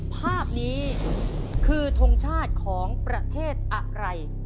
ภาพนี้คือทงชาติของประเทศอะไร